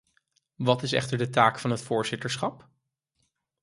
Wat is echter de taak van het voorzitterschap?